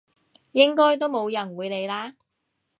應該都冇人會理啦！